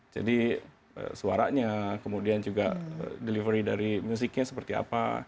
jadi suaranya kemudian juga delivery dari musiknya seperti apa